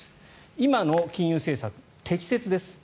今の金融政策、適切です。